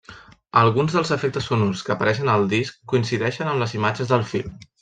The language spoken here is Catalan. Alguns dels efectes sonors que apareixen al disc coincideixen amb les imatges del film.